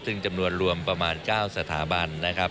ซึ่งจำนวนรวมประมาณ๙สถาบันนะครับ